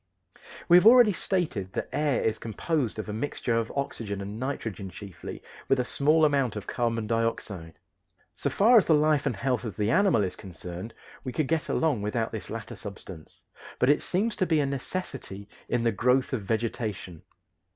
We have already stated that air is composed of a mixture of oxygen and nitrogen chiefly, with a small amount of carbon dioxide. So far as the life and health of the animal is concerned we could get along without this latter substance, but it seems to be a necessity in the growth of vegetation.